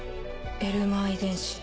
エルマー遺伝子。